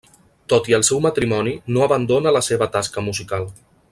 Tot i el seu matrimoni no abandona la seva tasca musical.